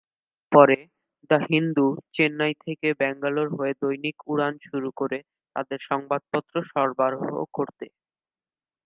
এরপরে, "দ্য হিন্দু" চেন্নাই থেকে ব্যাঙ্গালোর হয়ে দৈনিক উড়ান শুরু করে তাদের সংবাদপত্র সরবরাহ করতে।